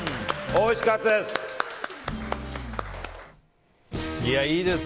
おいしかったです！